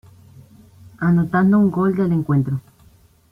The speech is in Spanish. Anotando un gol del encuentro.